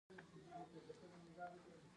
لعل د افغانستان د فرهنګي فستیوالونو برخه ده.